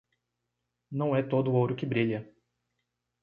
Não é todo o ouro que brilha.